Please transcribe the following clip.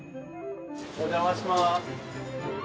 お邪魔します。